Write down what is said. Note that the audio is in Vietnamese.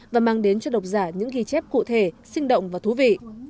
và mang đến cho độc giả những ghi chép cụ thể sinh động và thú vị